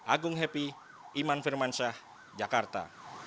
agung happy iman firmansyah jakarta